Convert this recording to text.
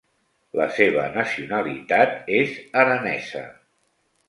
La seva nacionalitat és aranesa.